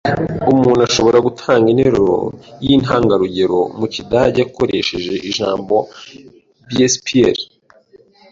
Umuntu ashobora gutanga interuro yintangarugero mu kidage akoresheje ijambo "Beispiel?"